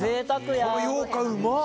このようかんうまっ！